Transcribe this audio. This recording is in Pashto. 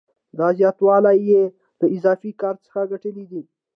دا زیاتوالی یې له اضافي کار څخه ګټلی دی